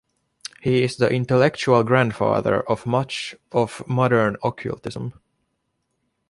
He is the intellectual grandfather of much of modern occultism.